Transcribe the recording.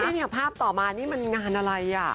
นี่เนี่ยภาพต่อมานี่มันงานอะไรอ่ะ